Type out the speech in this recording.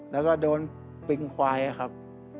แล้วก็โดนปิงควายครับ